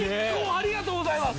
ありがとうございます。